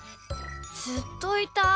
ずっといた？